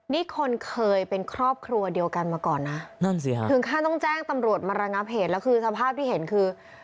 นี่คนเคยเป็นครอบครัวเดียวกันมาก่อนนะนั่นสิฮะถึงขั้นต้องแจ้งตำรวจมาระงับเหตุแล้วคือสภาพที่เห็นคือ